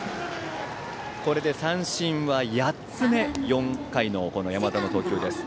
これで三振は８つ目４回の山田の投球です。